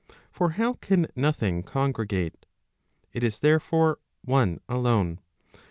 For how can nothing congregate ? It is, therefore, one alone.